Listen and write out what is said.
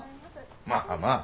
まあまあ。